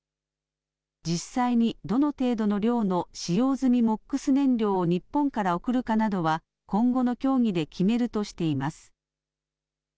実際にどの程度の量の使用済みＭＯＸ燃料を日本から送るかなどは、今後の協議で決めるとしています。